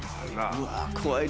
うわ。